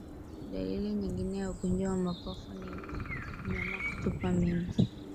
Dalili nyingine ya ugonjwa wa mapafu ni mnyama kutupa mimba